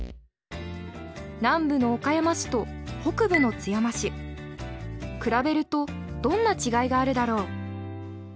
南部の岡山市と北部の津山市比べるとどんな違いがあるだろう。